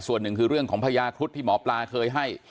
ส่วนหนึ่งคือเรื่องของพญาครุฑที่หมอปลาเคยให้